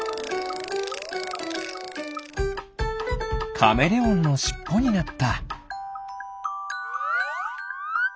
カメレオンのしっぽになった。